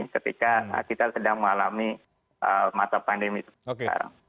ketika kita sedang mengalami masa pandemi seperti sekarang